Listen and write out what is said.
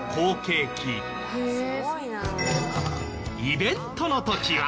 イベントの時は。